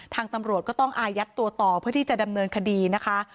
ตำรวจก็ต้องอายัดตัวต่อเพื่อที่จะดำเนินคดีนะคะ